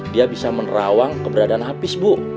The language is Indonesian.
dia bisa menerawang keberadaan hapiz bu